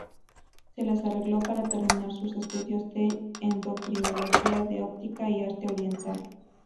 Se las arregló para terminar sus estudios de endocrinología, de óptica y arte oriental.